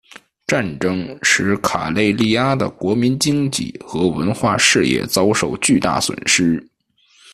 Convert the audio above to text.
战争使卡累利阿的国民经济和文化事业遭受巨大损失。